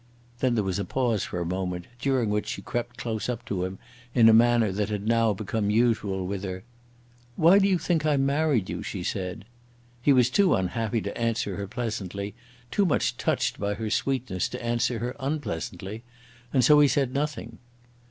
Then there was a pause for a moment, during which she crept close up to him, in a manner that had now become usual with her. "Why do you think I married you?" she said. He was too unhappy to answer her pleasantly, too much touched by her sweetness to answer her unpleasantly; and so he said nothing.